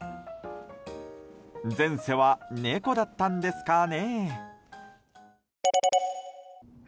前世は猫だったんですかね。